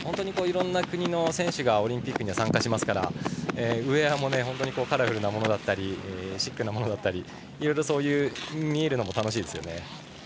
いろんな国の選手がオリンピックには参加しますからウエアもカラフルなものだったりシックなものだったりいろいろ見るのも楽しいですよね。